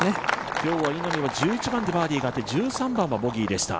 今日は１１番でバーディーがあって、１３番はボギーでした。